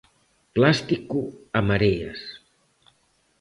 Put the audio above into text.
Plástico a mareas.